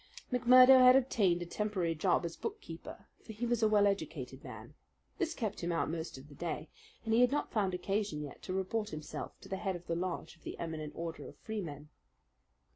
McMurdo had obtained a temporary job as bookkeeper for he was a well educated man. This kept him out most of the day, and he had not found occasion yet to report himself to the head of the lodge of the Eminent Order of Freemen.